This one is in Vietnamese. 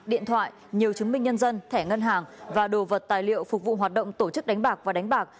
điện thoại nhiều chứng minh nhân dân thẻ ngân hàng và đồ vật tài liệu phục vụ hoạt động tổ chức đánh bạc và đánh bạc